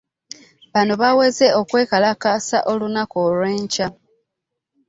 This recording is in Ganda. Bano baweze okwekalakaasa olunaku olw'enkya